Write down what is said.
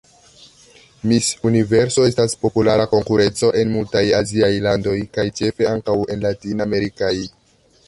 Miss Universo estas populara konkurenco en multaj aziaj landoj kaj ĉefe ankaŭ en latinamerikaj.